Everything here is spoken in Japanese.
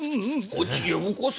こっちへよこせ。